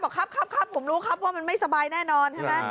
บอกครับครับครับผมรู้ครับว่ามันไม่สบายแน่นอน